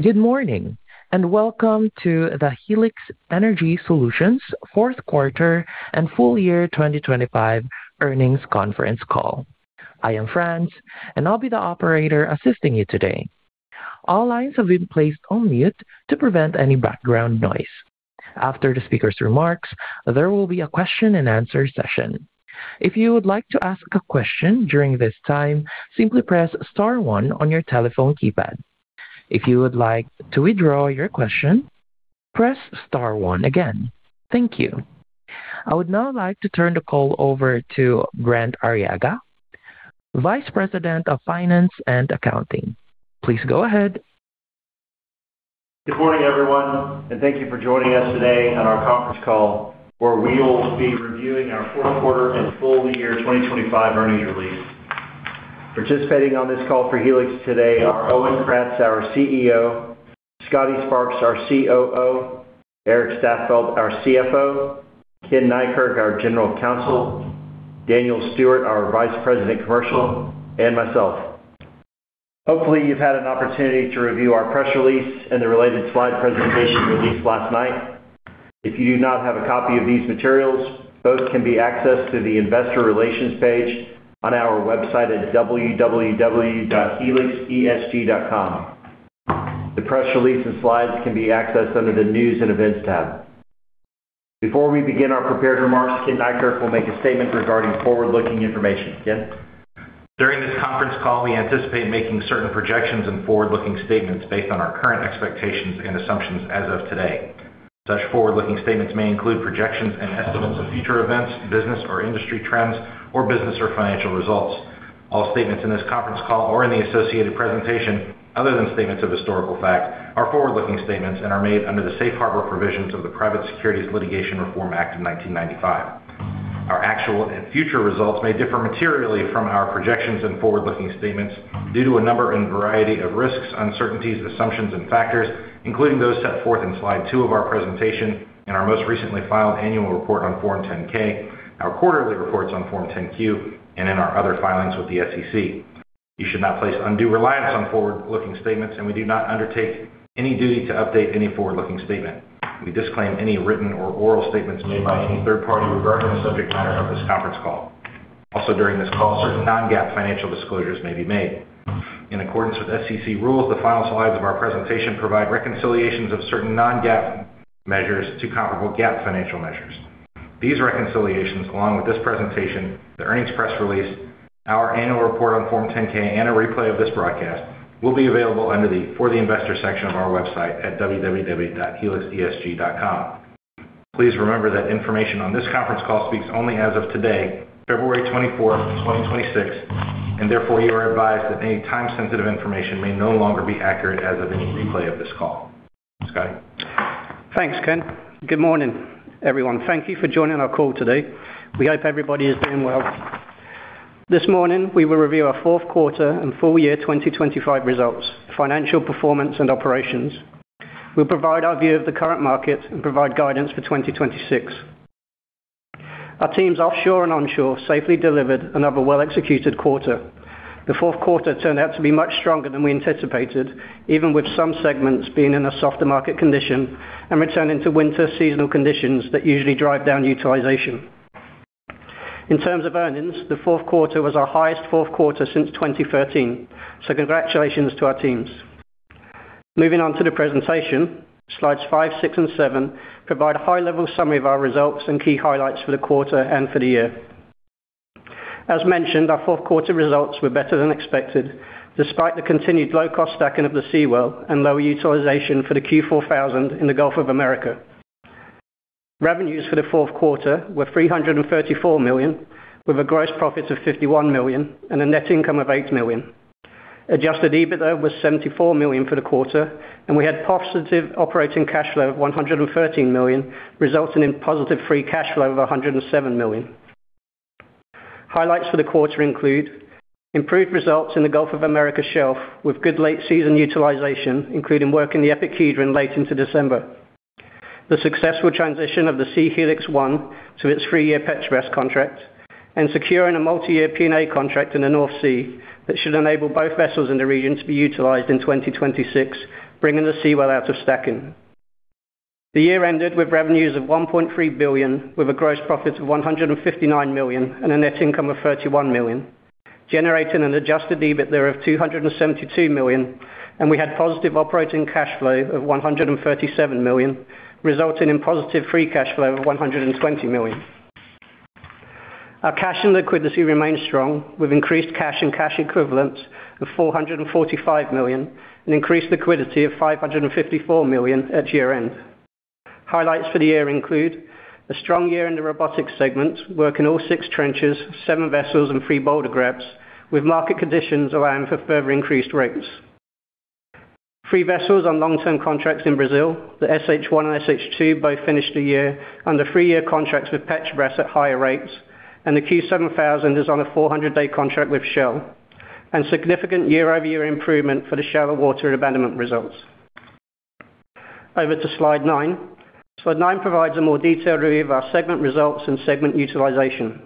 Good morning, welcome to the Helix Energy Solutions Fourth Quarter and Full Year 2025 Earnings Conference Call. I am France, I'll be the operator assisting you today. All lines have been placed on mute to prevent any background noise. After the speaker's remarks, there will be a question-and-answer session. If you would like to ask a question during this time, simply press star one on your telephone keypad. If you would like to withdraw your question, press star one again. Thank you. I would now like to turn the call over to Brent Arriaga, Vice President of Finance and Accounting. Please go ahead. Good morning, everyone. Thank you for joining us today on our conference call, where we will be reviewing our fourth quarter and full year 2025 earnings release. Participating on this call for Helix today are Owen Kratz, our CEO; Scotty Sparks, our COO; Erik Staffeldt, our CFO; Ken Neikirk, our General Counsel; Daniel Stuart, our Vice President, Commercial, and myself. Hopefully, you've had an opportunity to review our press release and the related slide presentation released last night. If you do not have a copy of these materials, both can be accessed through the Investor Relations page on our website at www.helicesg.com. The press release and slides can be accessed under the News and Events tab. Before we begin our prepared remarks, Ken Neikirk will make a statement regarding forward-looking information. Ken? During this conference call, we anticipate making certain projections and forward-looking statements based on our current expectations and assumptions as of today. Such forward-looking statements may include projections and estimates of future events, business or industry trends, or business or financial results. All statements in this conference call or in the associated presentation, other than statements of historical fact, are forward-looking statements and are made under the Safe Harbor provisions of the Private Securities Litigation Reform Act of 1995. Our actual and future results may differ materially from our projections and forward-looking statements due to a number and variety of risks, uncertainties, assumptions, and factors, including those set forth in Slide Two of our presentation, in our most recently filed annual report on Form 10-K, our quarterly reports on Form 10-Q, and in our other filings with the SEC. You should not place undue reliance on forward-looking statements, and we do not undertake any duty to update any forward-looking statement. We disclaim any written or oral statements made by any third party regarding the subject matter of this conference call. Also, during this call, certain non-GAAP financial disclosures may be made. In accordance with SEC rules, the final slides of our presentation provide reconciliations of certain non-GAAP measures to comparable GAAP financial measures. These reconciliations, along with this presentation, the earnings press release, our annual report on Form 10-K, and a replay of this broadcast, will be available under the For the Investor section of our website at www.helicesg.com. Please remember that information on this conference call speaks only as of today, February 24th, 2026, and therefore you are advised that any time-sensitive information may no longer be accurate as of any replay of this call. Scotty? Thanks, Ken. Good morning, everyone. Thank you for joining our call today. We hope everybody is doing well. This morning, we will review our fourth quarter and full year 2025 results, financial performance, and operations. We'll provide our view of the current market and provide guidance for 2026. Our teams offshore and onshore safely delivered another well-executed quarter. The fourth quarter turned out to be much stronger than we anticipated, even with some segments being in a softer market condition and returning to winter seasonal conditions that usually drive down utilization. In terms of earnings, the fourth quarter was our highest fourth quarter since 2013, so congratulations to our teams. Moving on to the presentation, Slides Five, Six, and Seven provide a high-level summary of our results and key highlights for the quarter and for the year. As mentioned, our fourth quarter results were better than expected, despite the continued low-cost stacking of the Seawell and lower utilization for the Q4000 in the Gulf of America. Revenues for the fourth quarter were $334 million, with a gross profit of $51 million and a net income of $8 million. Adjusted EBITDA was $74 million for the quarter, and we had positive operating cash flow of $113 million, resulting in positive free cash flow of $107 million. Highlights for the quarter include improved results in the Gulf of America Shelf, with good late-season utilization, including work in the EPIC Hedron late into December, the successful transition of the Siem Helix 1 to its three-year Petrobras contract. Securing a multi-year PNA contract in the North Sea that should enable both vessels in the region to be utilized in 2026, bringing the Seawell out of stacking. The year ended with revenues of $1.3 billion, with a gross profit of $159 million and a net income of $31 million, generating an adjusted EBITDA of $272 million. We had positive operating cash flow of $137 million, resulting in positive free cash flow of $120 million. Our cash and liquidity remains strong, with increased cash and cash equivalents of $445 million, and increased liquidity of $554 million at year-end. Highlights for the year include a strong year in the robotics segment, working all six trenches, seven vessels, and three boulder grabs, with market conditions allowing for further increased rates. Three vessels on long-term contracts in Brazil, the SH1 and SH2, both finished the year under three-year contracts with Petrobras at higher rates, and the Q7000 is on a 400-day contract with Shell, and significant year-over-year improvement for the shallow water abandonment results. Over to Slide Nine. Slide Nine provides a more detailed review of our segment results and segment utilization.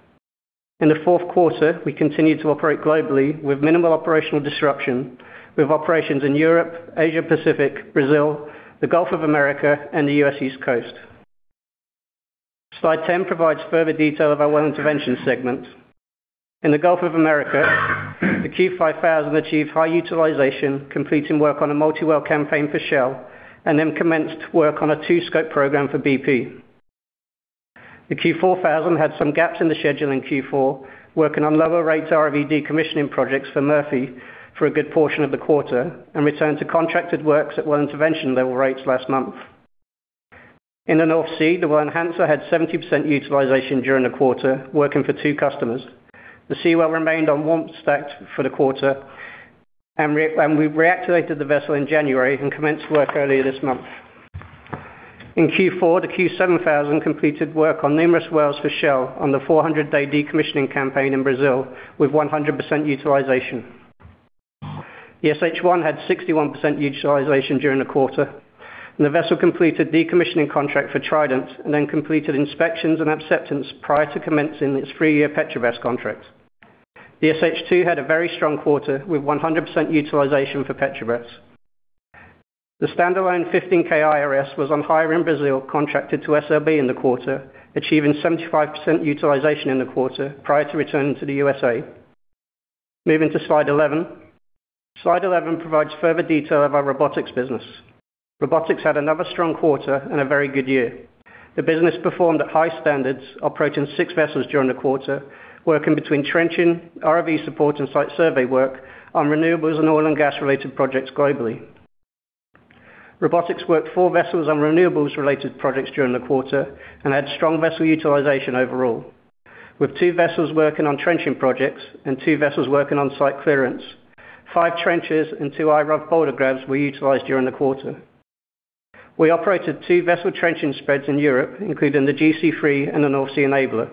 In the fourth quarter, we continued to operate globally with minimal operational disruption, with operations in Europe, Asia Pacific, Brazil, the Gulf of America, and the U.S. East Coast. Slide 10 provides further detail of our well intervention segment. In the Gulf of America, the Q5000 achieved high utilization, completing work on a multi-well campaign for Shell, and then commenced work on a 2-scope program for BP. The Q4000 had some gaps in the schedule in Q4, working on lower rates ROV decommissioning projects for Murphy for a good portion of the quarter, and returned to contracted works at well intervention level rates last month. In the North Sea, the Well Enhancer had 70% utilization during the quarter, working for two customers. The Seawell remained on warm stacked for the quarter, and we reactivated the vessel in January and commenced work earlier this month. In Q4, the Q7000 completed work on numerous wells for Shell on the 400-day decommissioning campaign in Brazil, with 100% utilization. The SH1 had 61% utilization during the quarter, and the vessel completed decommissioning contract for Trident, and then completed inspections and acceptance prior to commencing its three-year Petrobras contract. The SH2 had a very strong quarter, with 100% utilization for Petrobras. The standalone 15k IRS was on hire in Brazil, contracted to SLB in the quarter, achieving 75% utilization in the quarter prior to returning to the USA. Moving to Slide 11. Slide 11 provides further detail of our robotics business. Robotics had another strong quarter and a very good year. The business performed at high standards, operating six vessels during the quarter, working between trenching, ROV support, and site survey work on renewables and oil and gas-related projects globally. Robotics worked four vessels on renewables-related projects during the quarter and had strong vessel utilization overall, with two vessels working on trenching projects and two vessels working on site clearance. Five trenches and two IROV boulder grabs were utilized during the quarter. We operated two vessel trenching spreads in Europe, including the GC3 and the North Sea Enabler.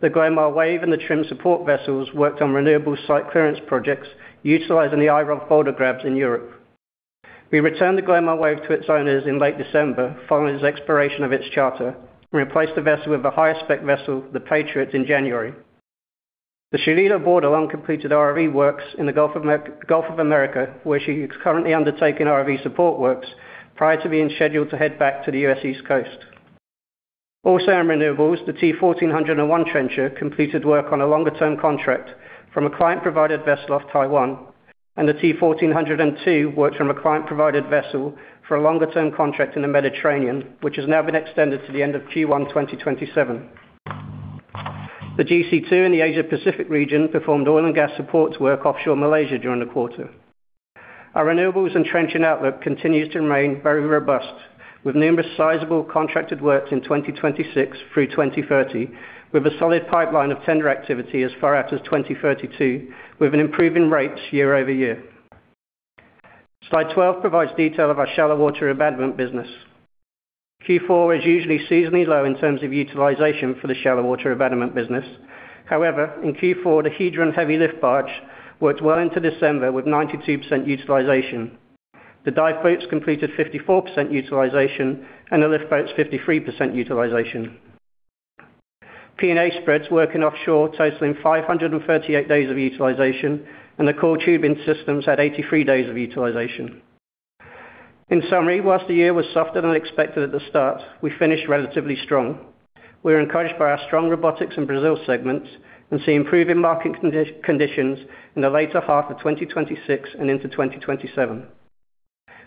The Glomar Wave and the Trym Support vessels worked on renewable site clearance projects, utilizing the IROV boulder grabs in Europe. We returned the Glomar Wave to its owners in late December, following the expiration of its charter, and replaced the vessel with the highest spec vessel, the Patriot, in January. The Shelia Bordelon completed ROV works in the Gulf of America, where she is currently undertaking ROV support works prior to being scheduled to head back to the U.S. East Coast. Also in renewables, the T1401 trencher completed work on a longer-term contract from a client-provided vessel off Taiwan, and the T1402 worked from a client-provided vessel for a longer-term contract in the Mediterranean, which has now been extended to the end of Q1 2027. The GC2 in the Asia Pacific region performed oil and gas supports work offshore Malaysia during the quarter. Our renewables and trenching outlook continues to remain very robust, with numerous sizable contracted works in 2026 through 2030, with a solid pipeline of tender activity as far out as 2032, with an improving rates year-over-year. Slide 12 provides detail of our shallow water abandonment business. Q4 is usually seasonally low in terms of utilization for the shallow water abandonment business. However, in Q4, the EPIC Hedron heavy lift barge worked well into December with 92% utilization. The dive boats completed 54% utilization, and the lift boats, 53% utilization. PNA spreads working offshore, totaling 538 days of utilization, and the coiled tubing systems had 83 days of utilization. In summary, while the year was softer than expected at the start, we finished relatively strong. We are encouraged by our strong robotics and Brazil segments and see improving market conditions in the later half of 2026 and into 2027.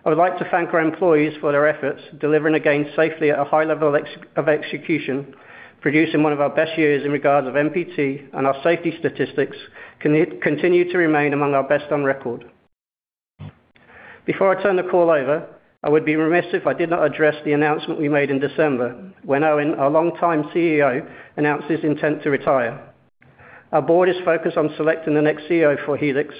I would like to thank our employees for their efforts, delivering again safely at a high level of execution, producing one of our best years in regards of MPT, and our safety statistics continue to remain among our best on record. Before I turn the call over, I would be remiss if I did not address the announcement we made in December, when Owen, our longtime CEO, announced his intent to retire. Our board is focused on selecting the next CEO for Helix,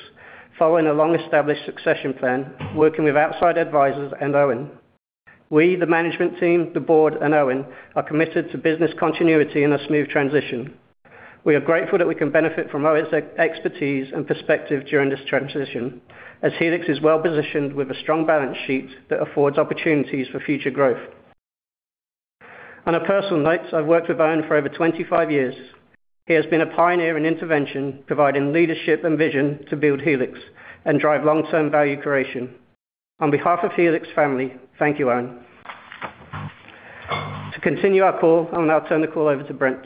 following a long-established succession plan, working with outside advisors and Owen. We, the management team, the board, and Owen, are committed to business continuity and a smooth transition. We are grateful that we can benefit from Owen's expertise and perspective during this transition, as Helix is well-positioned with a strong balance sheet that affords opportunities for future growth. On a personal note, I've worked with Owen for over 25 years. He has been a pioneer in intervention, providing leadership and vision to build Helix and drive long-term value creation. On behalf of Helix family, thank you, Owen. To continue our call, I'll now turn the call over to Brent.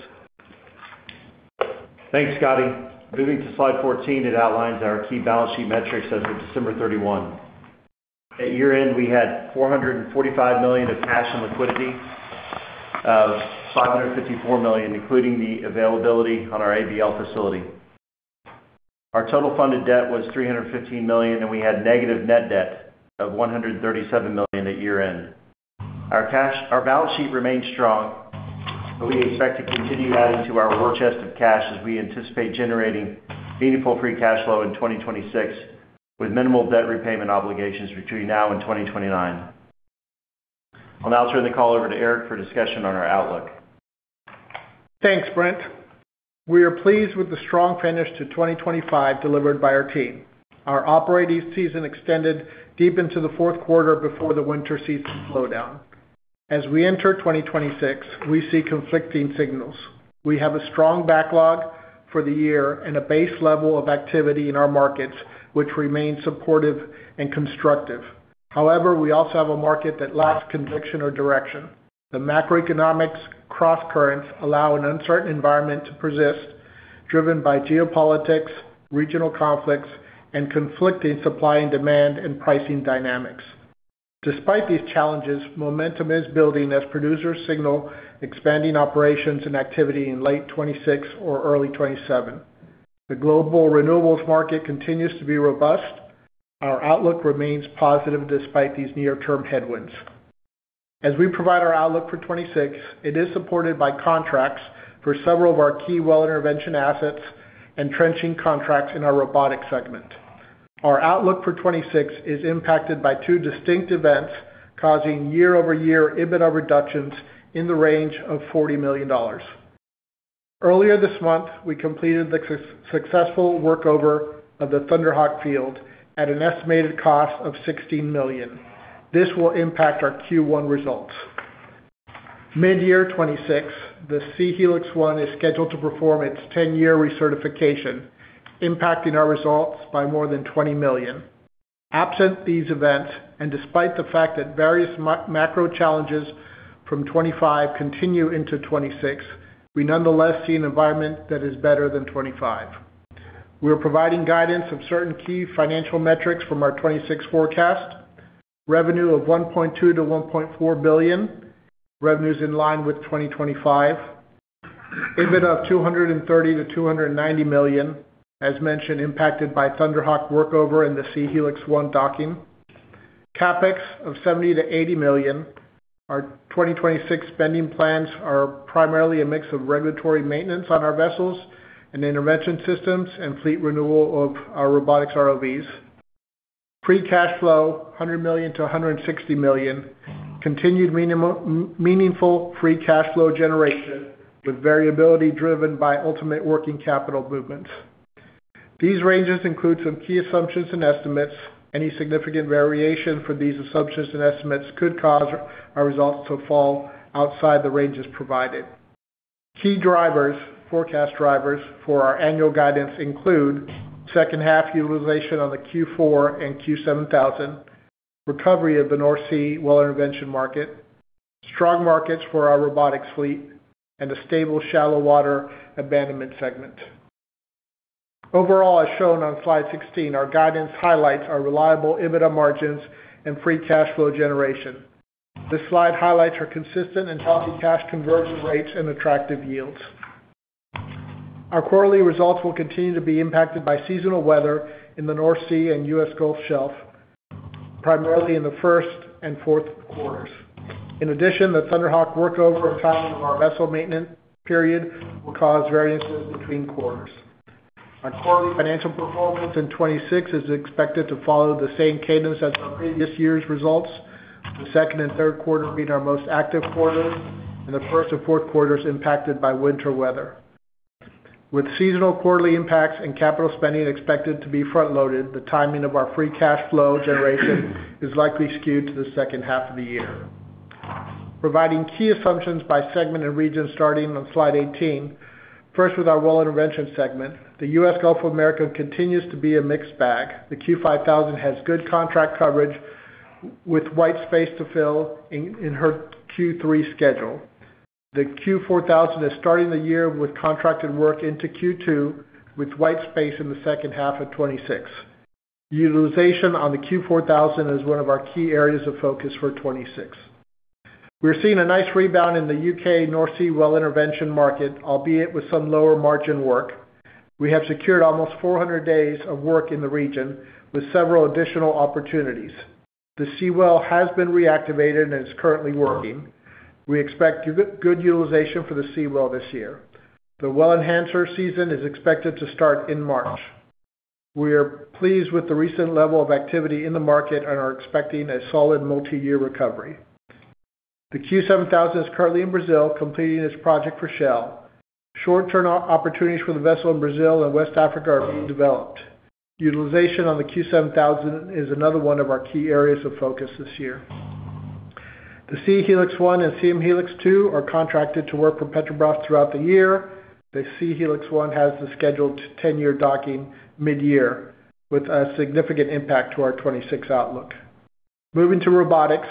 Thanks, Scotty. Moving to Slide 14, it outlines our key balance sheet metrics as of December 31. At year-end, we had $445 million of cash and liquidity, of $554 million, including the availability on our ABL facility. Our total funded debt was $315 million, we had negative net debt of $137 million at year-end. Our balance sheet remains strong, we expect to continue adding to our war chest of cash as we anticipate generating meaningful free cash flow in 2026, with minimal debt repayment obligations between now and 2029. I'll now turn the call over to Eric for discussion on our outlook. Thanks, Brent. We are pleased with the strong finish to 2025 delivered by our team. Our operating season extended deep into the fourth quarter before the winter season slowdown. As we enter 2026, we see conflicting signals. We have a strong backlog for the year and a base level of activity in our markets, which remain supportive and constructive. We also have a market that lacks conviction or direction. The macroeconomics crosscurrents allow an uncertain environment to persist, driven by geopolitics, regional conflicts, and conflicting supply and demand and pricing dynamics. Despite these challenges, momentum is building as producers signal expanding operations and activity in late 2026 or early 2027. The global renewables market continues to be robust. Our outlook remains positive despite these near-term headwinds. As we provide our outlook for 2026, it is supported by contracts for several of our key well intervention assets and trenching contracts in our robotic segment. Our outlook for 2026 is impacted by two distinct events, causing year-over-year EBITDA reductions in the range of $40 million. Earlier this month, we completed the successful workover of the Thunderhawk field at an estimated cost of $16 million. This will impact our Q1 results. Mid-year 2026, the Siem Helix 1 is scheduled to perform its 10-year recertification, impacting our results by more than $20 million. Absent these events, and despite the fact that various macro challenges from 2025 continue into 2026, we nonetheless see an environment that is better than 2025. We are providing guidance of certain key financial metrics from our 2026 forecast. Revenue of $1.2 billion-$1.4 billion. Revenue is in line with 2025. EBITDA of $230 million-$290 million, as mentioned, impacted by Thunderhawk workover and the Siem Helix 1 docking. CapEx of $70 million-$80 million. Our 2026 spending plans are primarily a mix of regulatory maintenance on our vessels and intervention systems and fleet renewal of our robotics ROVs. Free cash flow, $100 million-$160 million. Continued meaningful free cash flow generation, with variability driven by ultimate working capital movements. These ranges include some key assumptions and estimates. Any significant variation for these assumptions and estimates could cause our results to fall outside the ranges provided. Key drivers, forecast drivers for our annual guidance include second half utilization on the Q4 and Q7000, recovery of the North Sea Well Intervention market, strong markets for our robotic fleet, and a stable shallow water abandonment segment. Overall, as shown on Slide 16, our guidance highlights our reliable EBITDA margins and free cash flow generation. This slide highlights our consistent and healthy cash conversion rates and attractive yields. Our quarterly results will continue to be impacted by seasonal weather in the North Sea and U.S. Gulf Shelf, primarily in the first and fourth quarters. The Thunderhawk workover timing of our vessel maintenance period will cause variances between quarters. Our quarterly financial performance in 2026 is expected to follow the same cadence as our previous year's results, the second and third quarter being our most active quarters, and the first and fourth quarters impacted by winter weather. With seasonal quarterly impacts and capital spending expected to be front-loaded, the timing of our free cash flow generation is likely skewed to the second half of the year. Providing key assumptions by segment and region, starting on slide 18. First, with our well intervention segment, the U.S. Gulf of America continues to be a mixed bag. The Q5000 has good contract coverage with white space to fill in her Q3 schedule. The Q4000 is starting the year with contracted work into Q2, with white space in the second half of 2026. Utilization on the Q4000 is one of our key areas of focus for 2026. We're seeing a nice rebound in the U.K. North Sea well intervention market, albeit with some lower margin work. We have secured almost 400 days of work in the region, with several additional opportunities. The Seawell has been reactivated and is currently working. We expect good utilization for the Seawell this year. The Well Enhancer season is expected to start in March. We are pleased with the recent level of activity in the market and are expecting a solid multi-year recovery. The Q7000 is currently in Brazil, completing its project for Shell. Short-term op-opportunities for the vessel in Brazil and West Africa are being developed. Utilization on the Q7000 is another one of our key areas of focus this year. The Siem Helix 1 and Siem Helix 2 are contracted to work for Petrobras throughout the year. The Siem Helix 1 has the scheduled 10-year docking mid-year, with a significant impact to our 2026 outlook. Moving to robotics.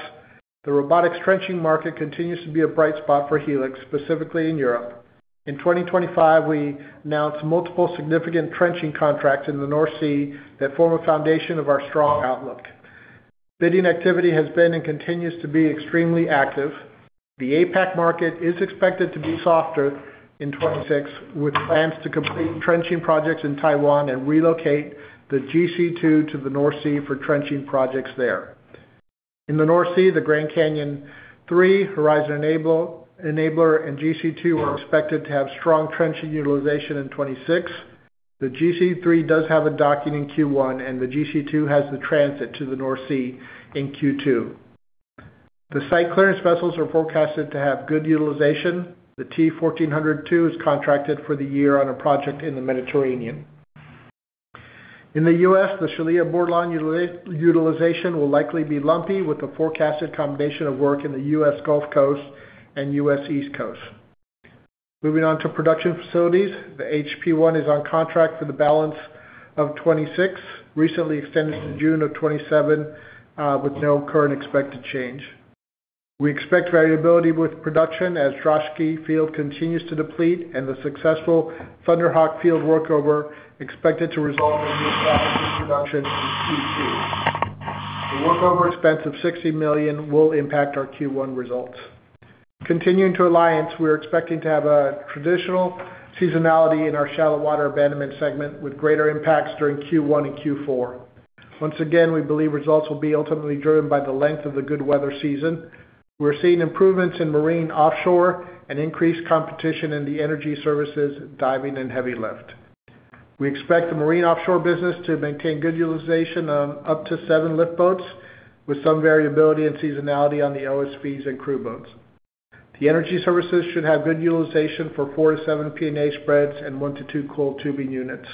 The robotics trenching market continues to be a bright spot for Helix, specifically in Europe. In 2025, we announced multiple significant trenching contracts in the North Sea that form a foundation of our strong outlook. Bidding activity has been and continues to be extremely active. The APAC market is expected to be softer in 2026, with plans to complete trenching projects in Taiwan and relocate the GC II to the North Sea for trenching projects there. In the North Sea, the Grand Canyon III, Horizon Enabler, and GC II are expected to have strong trenching utilization in 2026. The GC III does have a docking in Q1, and the GC II has the transit to the North Sea in Q2. The site clearance vessels are forecasted to have good utilization. The T1402 is contracted for the year on a project in the Mediterranean. In the U.S., the Shelia Bordelon utilization will likely be lumpy, with a forecasted combination of work in the U.S. Gulf Coast and U.S. East Coast. Moving on to production facilities. The HP I is on contract for the balance of 2026, recently extended to June of 2027, with no current expected change. We expect variability with production as Drosky Field continues to deplete and the successful Thunderhawk field workover expected to result in new production in Q2. The workover expense of $60 million will impact our Q1 results. Continuing to Alliance, we are expecting to have a traditional seasonality in our shallow water abandonment segment, with greater impacts during Q1 and Q4. Once again, we believe results will be ultimately driven by the length of the good weather season. We're seeing improvements in marine offshore and increased competition in the energy services, diving and heavy lift. We expect the marine offshore business to maintain good utilization on up to seven lift boats, with some variability and seasonality on the OSVs and crew boats. The energy services should have good utilization for four to seven PNA spreads and one to two coiled tubing units.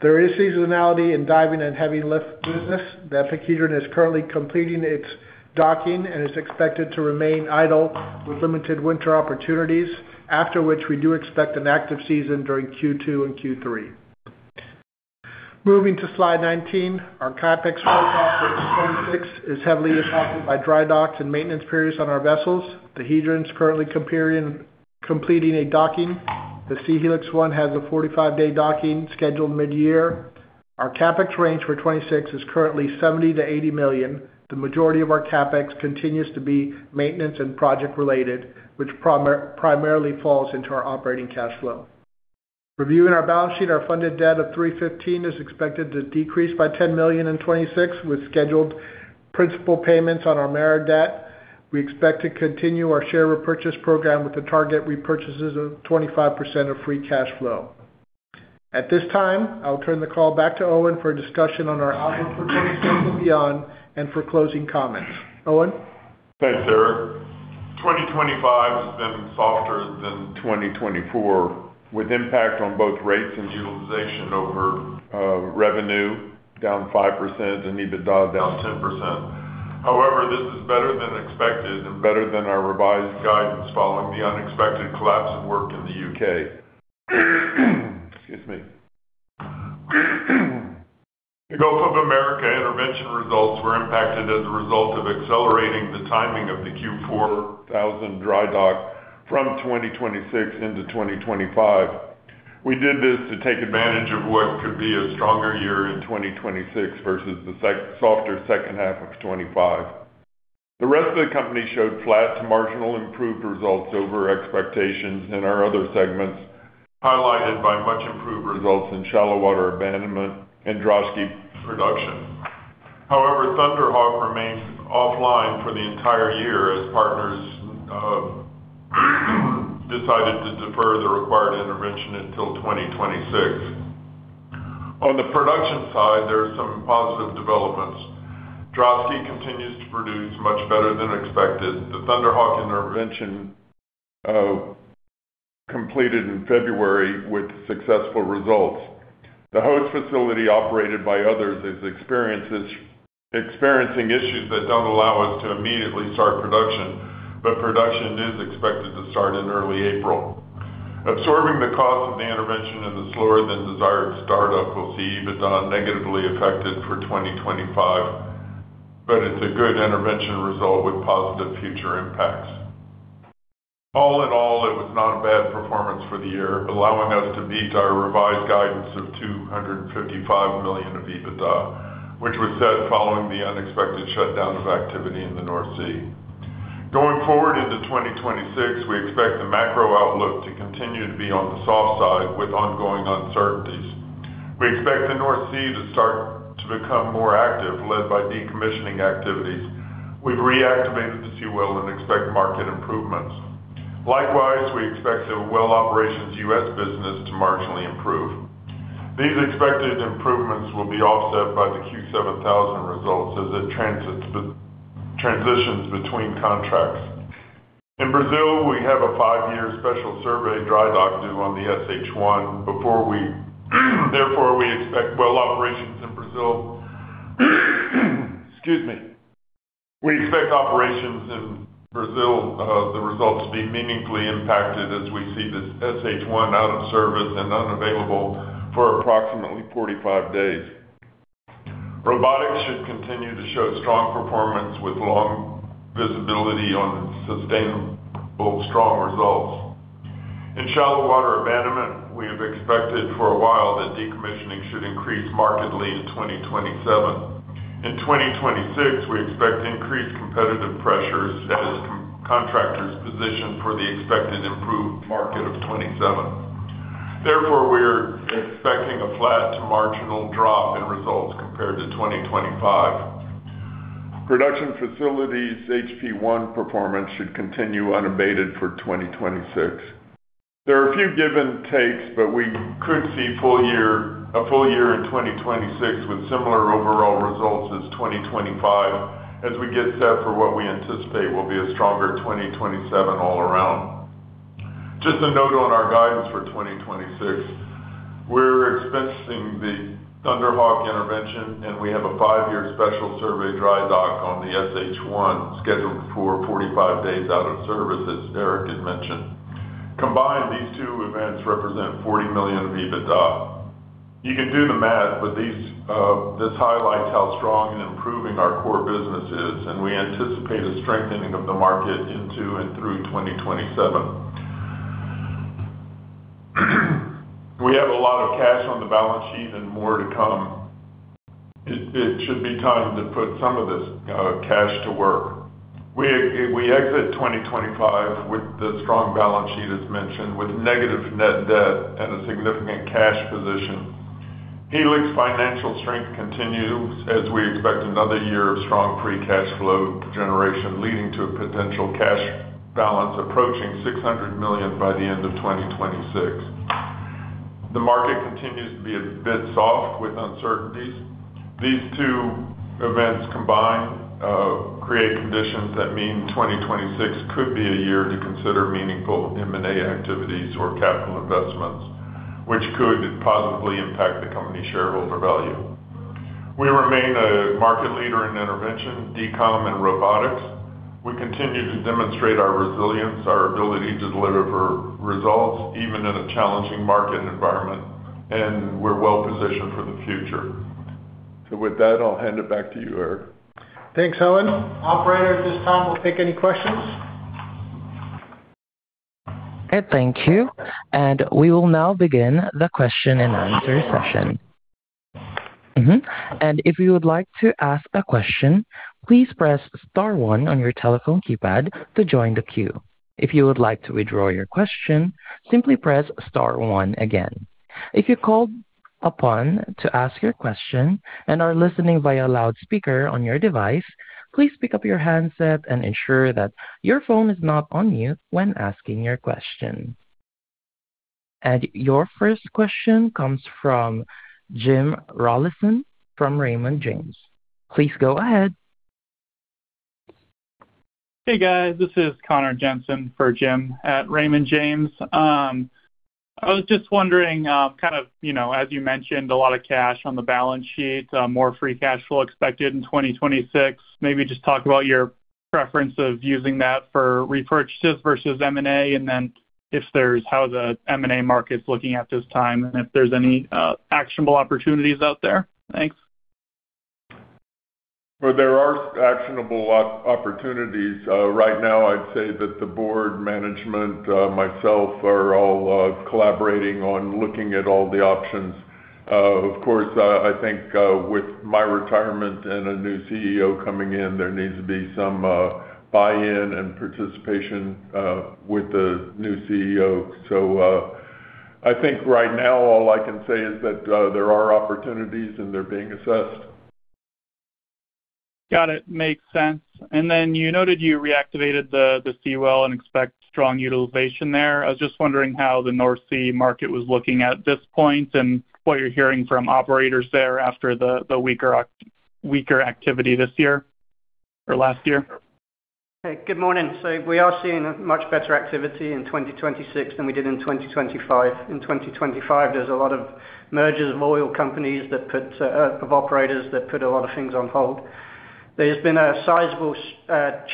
There is seasonality in diving and heavy lift business. The EPIC Hedron is currently completing its docking and is expected to remain idle with limited winter opportunities, after which we do expect an active season during Q2 and Q3. Slide 19, our CapEx for 2026 is heavily impacted by dry docks and maintenance periods on our vessels. The EPIC Hedron is currently completing a docking. The Siem Helix 1 has a 45-day docking scheduled mid-year. Our CapEx range for 2026 is currently $70 million-$80 million. The majority of our CapEx continues to be maintenance and project related, which primarily falls into our operating cash flow. Reviewing our balance sheet, our funded debt of $315 million is expected to decrease by $10 million in 2026, with scheduled principal payments on our amortizing debt. We expect to continue our share repurchase program with the target repurchases of 25% of free cash flow. At this time, I'll turn the call back to Owen for a discussion on our outlook for 2026 and beyond, and for closing comments. Owen? Thanks, Erik. 2025 has been softer than 2024, with impact on both rates and utilization over revenue, down 5% and EBITDA down 10%. However, this is better than expected and better than our revised guidance following the unexpected collapse of work in the U.K. Excuse me. The Gulf of America intervention results were impacted as a result of accelerating the timing of the Q4000 dry dock from 2026 into 2025. We did this to take advantage of what could be a stronger year in 2026 versus the softer second half of 2025. The rest of the company showed flat to marginal improved results over expectations in our other segments, highlighted by much improved results in shallow water abandonment and Drosky production. Thunderhawk remains offline for the entire year as partners decided to defer the required intervention until 2026. On the production side, there are some positive developments. Drosky continues to produce much better than expected. The Thunderhawk intervention completed in February with successful results. The host facility, operated by others, is experiencing issues that don't allow us to immediately start production, but production is expected to start in early April. Absorbing the cost of the intervention and the slower than desired startup will see EBITDA negatively affected for 2025, but it's a good intervention result with positive future impacts. All in all, it was not a bad performance for the year, allowing us to beat our revised guidance of $255 million of EBITDA, which was set following the unexpected shutdown of activity in the North Sea. Going forward into 2026, we expect the macro outlook to continue to be on the soft side with ongoing uncertainties. We expect the North Sea to start to become more active, led by decommissioning activities. We've reactivated the Seawell and expect market improvements. Likewise, we expect the well operations U.S. business to marginally improve. These expected improvements will be offset by the Q7000 results as it transitions between contracts. In Brazil, we have a five-year special survey dry dock due on the SH1. Therefore, we expect well operations in Brazil. Excuse me. We expect operations in Brazil, the results to be meaningfully impacted as we see this SH1 out of service and unavailable for approximately 45 days. Robotics should continue to show strong performance with long visibility on sustainable, strong results. In shallow water abandonment, we have expected for a while that decommissioning should increase markedly in 2027. In 2026, we expect increased competitive pressures as contractors position for the expected improved market of 2027. We are expecting a flat to marginal drop in results compared to 2025. Production facilities, HP I performance should continue unabated for 2026. There are a few give and takes, we could see full year, a full year in 2026, with similar overall results as 2025, as we get set for what we anticipate will be a stronger 2027 all around. Just a note on our guidance for 2026. We're expensing the Thunderhawk intervention, and we have a five-year special survey dry dock on the Siem Helix 1, scheduled for 45 days out of service, as Erik had mentioned. Combined, these two events represent $40 million EBITDA. You can do the math, but these, this highlights how strong and improving our core business is, and we anticipate a strengthening of the market into and through 2027. We have a lot of cash on the balance sheet and more to come. It should be time to put some of this cash to work. We exit 2025 with the strong balance sheet, as mentioned, with negative net debt and a significant cash position. Helix financial strength continues as we expect another year of strong free cash flow generation, leading to a potential cash balance approaching $600 million by the end of 2026. The market continues to be a bit soft with uncertainties. These two events combined, create conditions that mean 2026 could be a year to consider meaningful M&A activities or capital investments, which could positively impact the company's shareholder value. We remain a market leader in intervention, DECOM and robotics. We continue to demonstrate our resilience, our ability to deliver for results, even in a challenging market environment, and we're well positioned for the future. With that, I'll hand it back to you, Erik. Thanks, Owen. Operator, at this time, we'll take any questions. Okay, thank you. We will now begin the question and answer session. If you would like to ask a question, please press star one on your telephone keypad to join the queue. If you would like to withdraw your question, simply press star one again. If you're called upon to ask your question and are listening via loudspeaker on your device, please pick up your handset and ensure that your phone is not on mute when asking your question. Your first question comes from Jim Rollyson from Raymond James. Please go ahead. Hey, guys, this is Connor Jensen for Jim at Raymond James. I was just wondering, you know, as you mentioned, a lot of cash on the balance sheet, more free cash flow expected in 2026. Maybe just talk about your preference of using that for repurchases versus M&A, and then if there's, how the M&A market's looking at this time, and if there's any, actionable opportunities out there. Thanks. There are actionable opportunities. Right now, I'd say that the board management, myself, are all collaborating on looking at all the options. Of course, I think with my retirement and a new CEO coming in, there needs to be some buy-in and participation with the new CEO. I think right now all I can say is that there are opportunities, and they're being assessed. Got it. Makes sense. Then you noted you reactivated the Seawell and expect strong utilization there. I was just wondering how the North Sea market was looking at this point and what you're hearing from operators there after the weaker activity this year or last year. Hey, good morning. We are seeing a much better activity in 2026 than we did in 2025. In 2025, there was a lot of mergers of oil companies that put of operators that put a lot of things on hold. There's been a sizable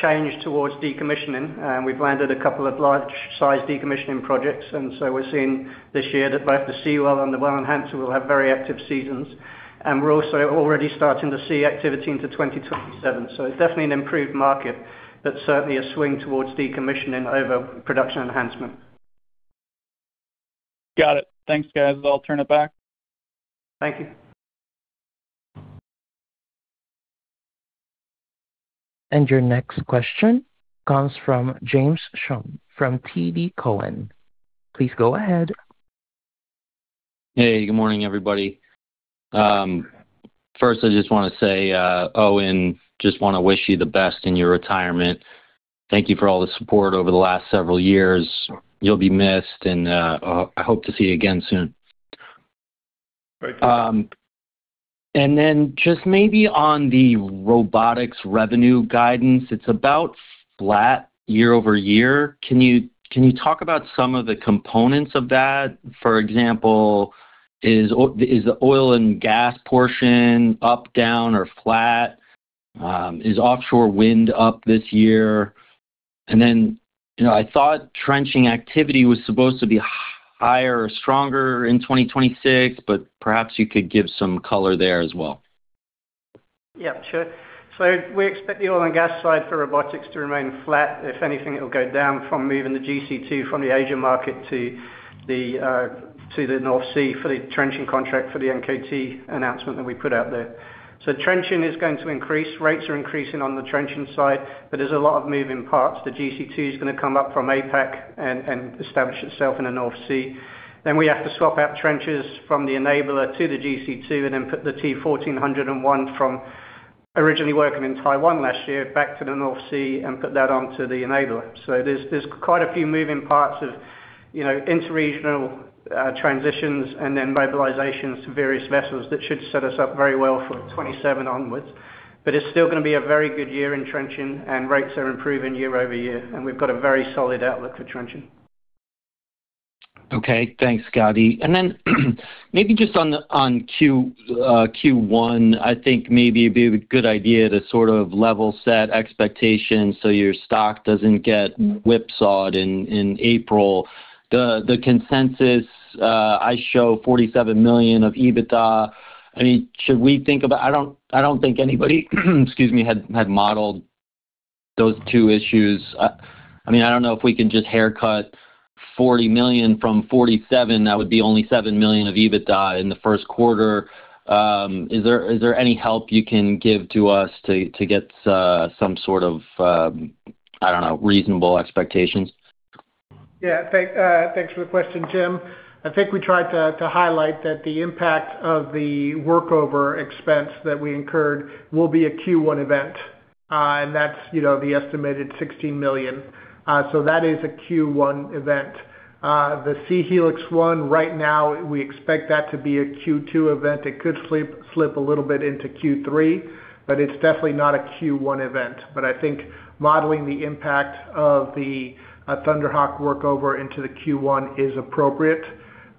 change towards decommissioning, and we've landed a couple of large-sized decommissioning projects, and we're seeing this year that both the Seawell and the Well Enhancer will have very active seasons. We're also already starting to see activity into 2027. It's definitely an improved market, but certainly a swing towards decommissioning over production enhancement. Got it. Thanks, guys. I'll turn it back. Thank you. Your next question comes from James Schumm from TD Cowen. Please go ahead. Hey, good morning, everybody. First, I just wanna say, Owen, just wanna wish you the best in your retirement. Thank you for all the support over the last several years. You'll be missed, and, I hope to see you again soon. Thank you. Then just maybe on the robotics revenue guidance, it's about flat year-over-year. Can you talk about some of the components of that? For example, is the oil and gas portion up, down, or flat? Is offshore wind up this year? Then, you know, I thought trenching activity was supposed to be higher or stronger in 2026, but perhaps you could give some color there as well. Yeah, sure. We expect the oil and gas side for robotics to remain flat. If anything, it'll go down from moving the GC II from the Asian market to the North Sea for the trenching contract, for the NKT announcement that we put out there. Trenching is going to increase. Rates are increasing on the trenching side, but there's a lot of moving parts. The GC II is gonna come up from APAC and establish itself in the North Sea. We have to swap out trenches from the Enabler to the GC II and then put the T1401 from originally working in Taiwan last year, back to the North Sea and put that onto the Enabler. There's quite a few moving parts of, you know, interregional transitions and then mobilizations to various vessels that should set us up very well for 2027 onwards. It's still gonna be a very good year in trenching, and rates are improving year-over-year, and we've got a very solid outlook for trenching. Okay, thanks, Scotty. Maybe just on Q1, I think maybe it'd be a good idea to sort of level set expectations so your stock doesn't get whipsawed in April. The consensus I show $47 million of EBITDA. I mean, should we think about I don't think anybody, excuse me, modeled those two issues? I mean, I don't know if we can just haircut $40 million from $47. That would be only $7 million of EBITDA in the first quarter. Is there any help you can give to us to get some sort of, I don't know, reasonable expectations? Yeah. Thank thanks for the question, Jim. I think we tried to highlight that the impact of the workover expense that we incurred will be a Q1 event. That's, you know, the estimated $16 million. That is a Q1 event. The Siem Helix 1, right now, we expect that to be a Q2 event. It could slip a little bit into Q3, but it's definitely not a Q1 event. I think modeling the impact of the Thunderhawk workover into the Q1 is appropriate.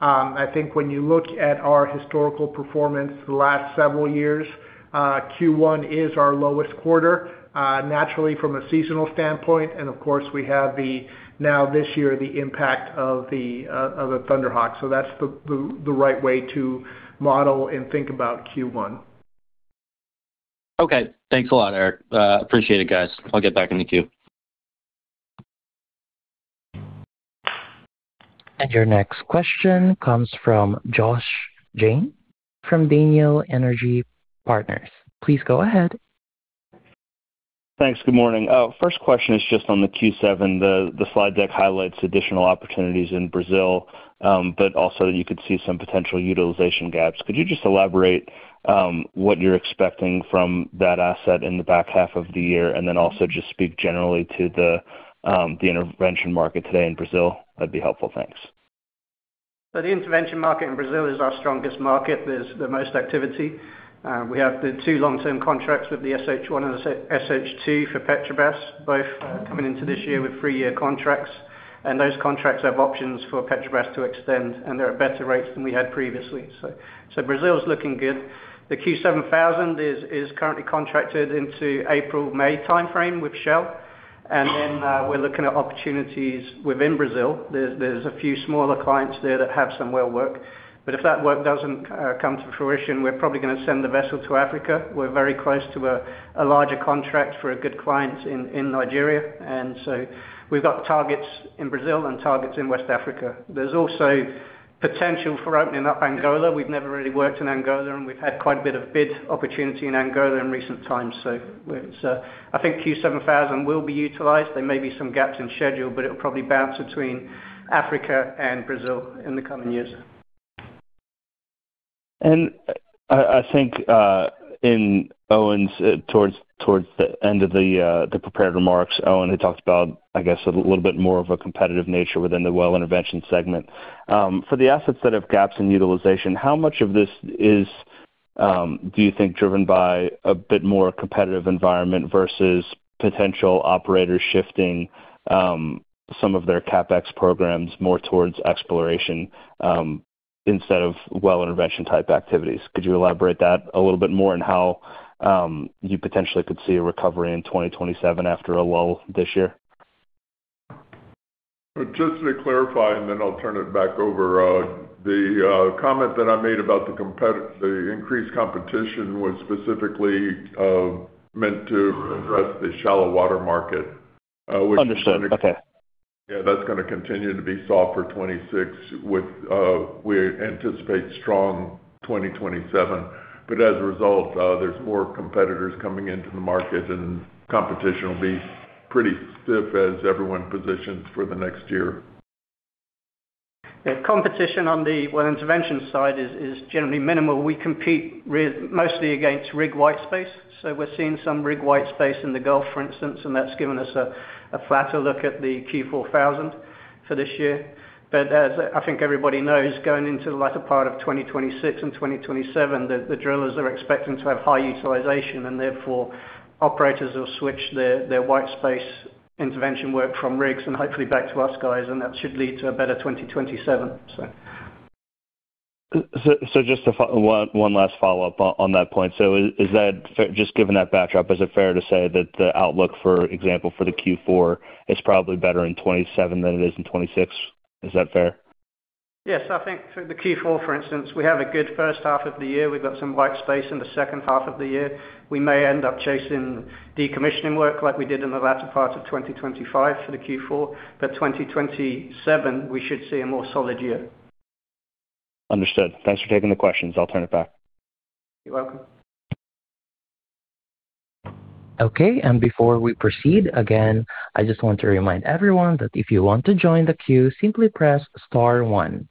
I think when you look at our historical performance for the last several years, Q1 is our lowest quarter, naturally from a seasonal standpoint, and of course, we have now this year, the impact of the Thunderhawk. That's the, the right way to model and think about Q1. Okay. Thanks a lot, Erik. Appreciate it, guys. I'll get back in the queue. Your next question comes from Josh Jayne from Daniel Energy Partners. Please go ahead. Thanks. Good morning. First question is just on the Q7. The slide deck highlights additional opportunities in Brazil, but also you could see some potential utilization gaps. Could you just elaborate what you're expecting from that asset in the back half of the year, and then also just speak generally to the intervention market today in Brazil? That'd be helpful. Thanks. The intervention market in Brazil is our strongest market. There's the most activity. We have the two long-term contracts with the SH1 and the SH2 for Petrobras, both coming into this year with three-year contracts. Those contracts have options for Petrobras to extend. They're at better rates than we had previously. Brazil is looking good. The Q7000 is currently contracted into April-May timeframe with Shell. Then we're looking at opportunities within Brazil. There's a few smaller clients there that have some well work, but if that work doesn't come to fruition, we're probably gonna send the vessel to Africa. We're very close to a larger contract for a good client in Nigeria. We've got targets in Brazil and targets in West Africa. There's also potential for opening up Angola. We've never really worked in Angola, and we've had quite a bit of bid opportunity in Angola in recent times. It's, I think Q7000 will be utilized. There may be some gaps in schedule, it'll probably bounce between Africa and Brazil in the coming years. I think, in Owen's, towards the end of the prepared remarks, Owen had talked about, I guess, a little bit more of a competitive nature within the well intervention segment. For the assets that have gaps in utilization, how much of this is, do you think, driven by a bit more competitive environment versus potential operators shifting, some of their CapEx programs more towards exploration, instead of well intervention-type activities? Could you elaborate that a little bit more on how, you potentially could see a recovery in 2027 after a lull this year? Just to clarify, and then I'll turn it back over. The comment that I made about the increased competition was specifically meant to address the shallow water market. Understood. Okay. Yeah, that's gonna continue to be soft for 2026 with, we anticipate strong 2027. As a result, there's more competitors coming into the market. Competition will be pretty stiff as everyone positions for the next year. Yeah, competition on the well intervention side is generally minimal. We compete mostly against rig white space, so we're seeing some rig white space in the Gulf, for instance, and that's given us a flatter look at the Q4000 for this year. As I think everybody knows, going into the latter part of 2026 and 2027, the drillers are expecting to have high utilization, and therefore, operators will switch their white space intervention work from rigs and hopefully back to us guys, and that should lead to a better 2027, so. Just one last follow-up on that point. Is that, just given that backdrop, is it fair to say that the outlook, for example, for the Q4 is probably better in 2027 than it is in 2026? Is that fair? Yes, I think for the Q4, for instance, we have a good first half of the year. We've got some white space in the second half of the year. We may end up chasing decommissioning work like we did in the latter part of 2025 for the Q4, but 2027, we should see a more solid year. Understood. Thanks for taking the questions. I'll turn it back. You're welcome. Okay, before we proceed, again, I just want to remind everyone that if you want to join the queue, simply press star one.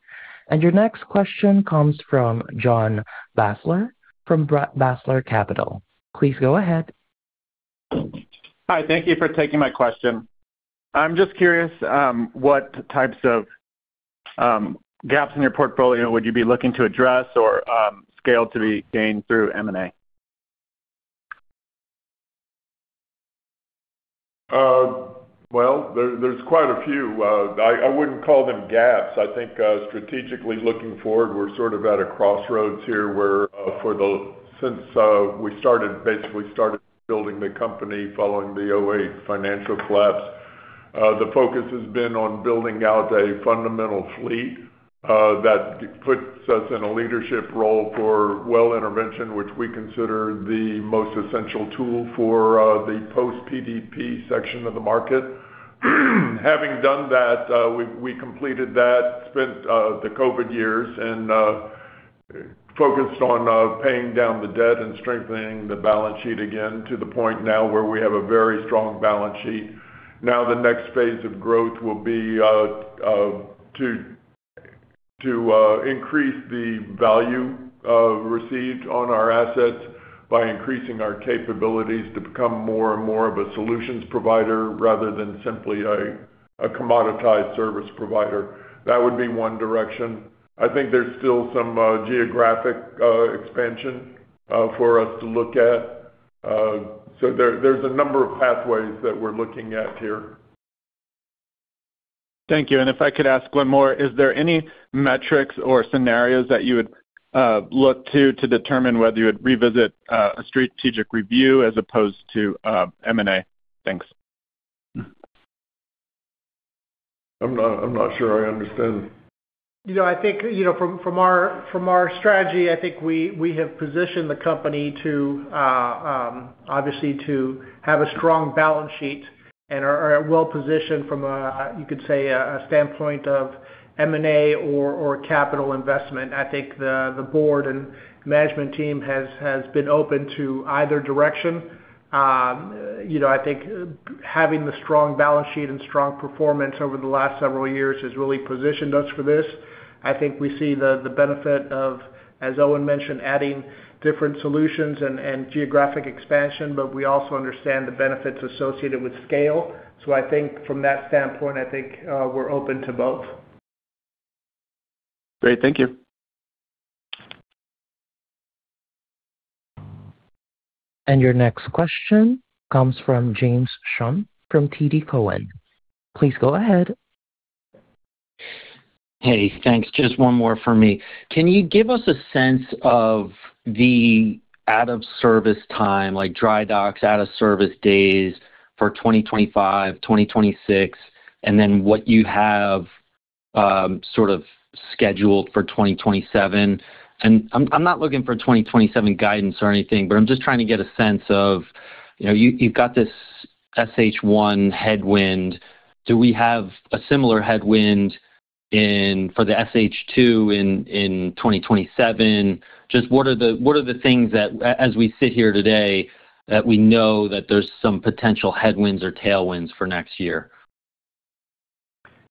Your next question comes from John Basler from Basler Capital. Please go ahead. Hi, thank you for taking my question. I'm just curious, what types of gaps in your portfolio would you be looking to address or scale to be gained through M&A? Well, there's quite a few. I wouldn't call them gaps. I think, strategically looking forward, we're sort of at a crossroads here, where, since we basically started building the company following the 2008 financial collapse, the focus has been on building out a fundamental fleet that puts us in a leadership role for well intervention, which we consider the most essential tool for the post-PDP section of the market. Having done that, we completed that, spent the COVID years and focused on paying down the debt and strengthening the balance sheet again, to the point now where we have a very strong balance sheet. The next phase of growth will be to increase the value received on our assets by increasing our capabilities to become more and more of a solutions provider rather than simply a commoditized service provider. That would be 1 direction. I think there's still some geographic expansion for us to look at. There's a number of pathways that we're looking at here. Thank you. If I could ask one more, is there any metrics or scenarios that you would look to determine whether you would revisit a strategic review as opposed to M&A? Thanks. I'm not sure I understand. You know, I think, you know, from our, from our strategy, I think we have positioned the company to obviously to have a strong balance sheet and are well positioned from a, you could say, a standpoint of M&A or capital investment. I think the board and management team has been open to either direction. You know, I think having the strong balance sheet and strong performance over the last several years has really positioned us for this. I think we see the benefit of, as Owen mentioned, adding different solutions and geographic expansion, but we also understand the benefits associated with scale. I think from that standpoint, I think we're open to both. Great. Thank you. Your next question comes from James Schumm from TD Cowen. Please go ahead. Hey, thanks. Just one more for me. Can you give us a sense of the out-of-service time, like dry docks, out-of-service days for 2025, 2026, and then what you have sort of scheduled for 2027? I'm not looking for 2027 guidance or anything, but I'm just trying to get a sense of, you know, you've got this SH1 headwind. Do we have a similar headwind for the SH2 in 2027? Just what are the things as we sit here today, that we know that there's some potential headwinds or tailwinds for next year?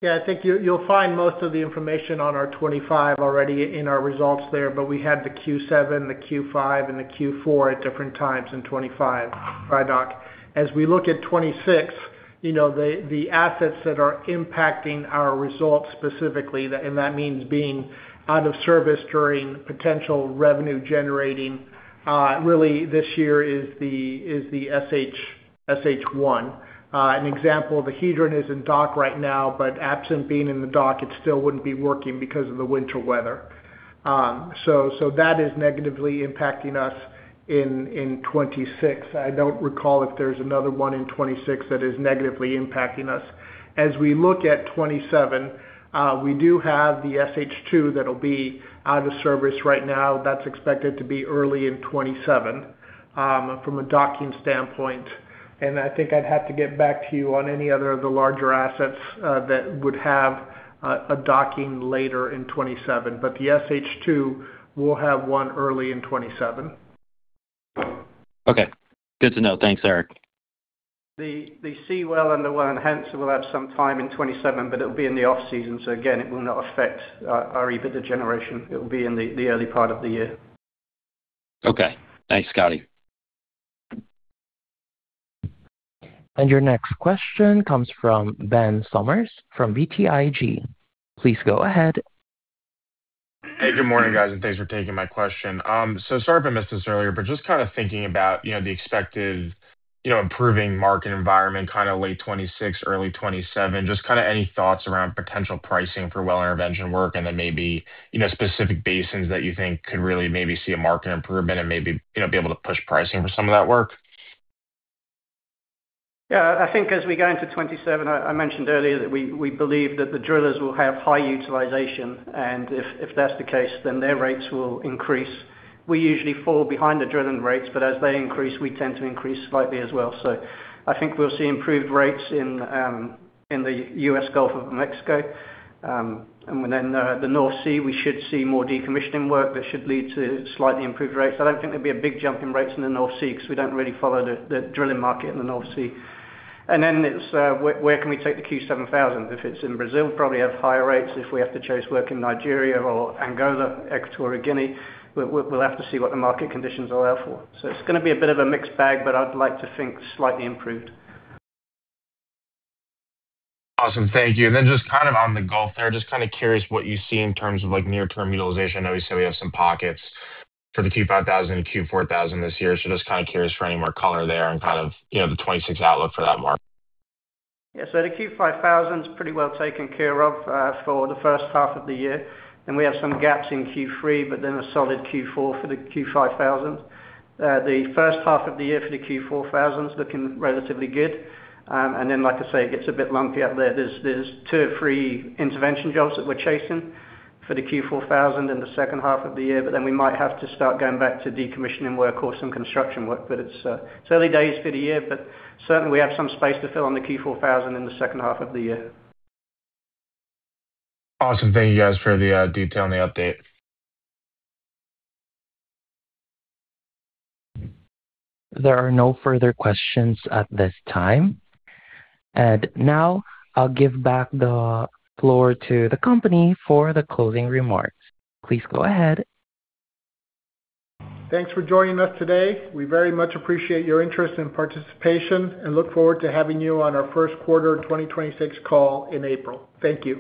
Yeah, I think you'll find most of the information on our 2025 already in our results there. We had the Q7, the Q5, and the Q4 at different times in 2025, dry dock. As we look at 2026, you know, the assets that are impacting our results specifically, and that means being out of service during potential revenue generating, really this year is the SH1. An example, the Hedron is in dock right now, but absent being in the dock, it still wouldn't be working because of the winter weather. That is negatively impacting us in 2026. I don't recall if there's another one in 2026 that is negatively impacting us. As we look at 2027, we do have the SH2 that'll be out of service right now. That's expected to be early in 2027, from a docking standpoint. I think I'd have to get back to you on any other of the larger assets, that would have a docking later in 2027. The SH2 will have one early in 2027. Okay. Good to know. Thanks, Erik. The Seawell under Well Enhancer will have some time in 2027, but it'll be in the off-season, so again, it will not affect our EBITDA generation. It'll be in the early part of the year. Okay. Thanks, Scotty. Your next question comes from Ben Sommers, from BTIG. Please go ahead. Hey, good morning, guys, thanks for taking my question. Sorry if I missed this earlier, just kind of thinking about, you know, the expected, you know, improving market environment, kind of late 2026, early 2027. Just kind of any thoughts around potential pricing for well intervention work, then maybe, you know, specific basins that you think could really maybe see a market improvement and maybe, you know, be able to push pricing for some of that work? Yeah, I think as we go into 2027, I mentioned earlier that we believe that the drillers will have high utilization, and if that's the case, their rates will increase. We usually fall behind the drilling rates, but as they increase, we tend to increase slightly as well. I think we'll see improved rates in the U.S. Gulf of Mexico. The North Sea, we should see more decommissioning work that should lead to slightly improved rates. I don't think there'd be a big jump in rates in the North Sea, because we don't really follow the drilling market in the North Sea. It's where can we take the Q7000? If it's in Brazil, probably have higher rates. If we have to chase work in Nigeria or Angola, Equatorial Guinea, we'll have to see what the market conditions allow for. It's gonna be a bit of a mixed bag, but I'd like to think slightly improved. Awesome. Thank you. Just kind of on the Gulf there, just kind of curious what you see in terms of, like, near-term utilization. I know you said we have some pockets for the Q5000 and Q4000 this year, just kind of curious for any more color there and kind of, you know, the 2026 outlook for that market. The Q5000 is pretty well taken care of for the first half of the year, and we have some gaps in Q3, but then a solid Q4 for the Q5000. The first half of the year for the Q4000 is looking relatively good. Like I say, it gets a bit lumpy out there. There's two or three intervention jobs that we're chasing for the Q4000 in the second half of the year, but then we might have to start going back to decommissioning work or some construction work. It's early days for the year, but certainly we have some space to fill on the Q4000 in the second half of the year. Awesome. Thank you, guys, for the detail on the update. There are no further questions at this time. Now I'll give back the floor to the company for the closing remarks. Please go ahead. Thanks for joining us today. We very much appreciate your interest and participation, and look forward to having you on our first quarter 2026 call in April. Thank you.